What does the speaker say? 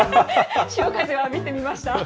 潮風を浴びてみました。